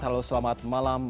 halo selamat malam